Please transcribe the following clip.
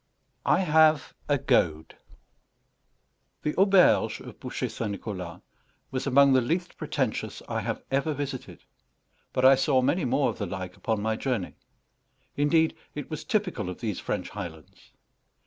I HAVE A GOAD The auberge of Bouchet St. Nicholas was among the least pretentious I have ever visited; but I saw many more of the like upon my journey. Indeed, it was typical of these French highlands.